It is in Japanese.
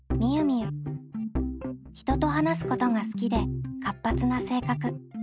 人と話すことが好きで活発な性格。